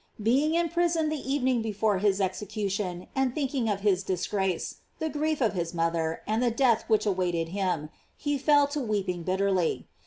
Being in prison the evening before his execution, and thinking of his dis grace, the grief of his mother, and the death which awaited him, he fell to weeping bitterly.